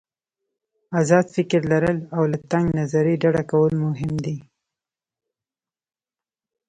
آزاد فکر لرل او له تنګ نظري ډډه کول مهم دي.